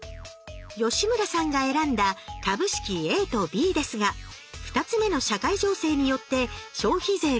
吉村さんが選んだ株式ＡとＢですが２つ目の社会情勢によって消費税が増税。